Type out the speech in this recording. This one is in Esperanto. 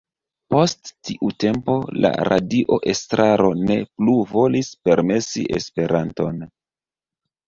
Post tiu tempo la radio-estraro ne plu volis permesi Esperanton.